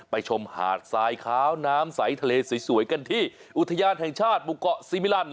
ชมหาดทรายขาวน้ำใสทะเลสวยกันที่อุทยานแห่งชาติหมู่เกาะซีมิลัน